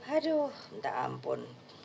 aduh minta ampun